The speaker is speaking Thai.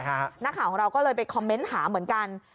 นักข่าวของเราก็เลยไปคอมเมนต์หาเหมือนกัน